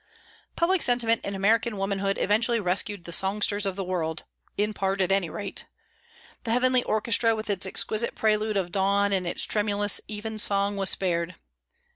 Public sentiment in American womanhood eventually rescued the songsters of the world in part, at any rate. The heavenly orchestra, with its exquisite prelude of dawn and its tremulous evensong, was spared.